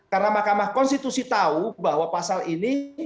karena mahkamah konstitusi tahu bahwa pasal ini